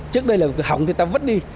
trước đây là cứ hỏng thì ta vứt đi